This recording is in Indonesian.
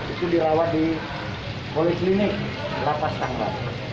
itu dirawat di poliklinik lapas tangga